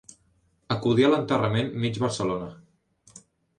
Acudí a l'enterrament mig Barcelona.